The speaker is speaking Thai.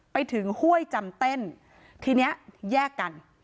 ไปถึงห้วยจำเต้นทีนี้แยกกัน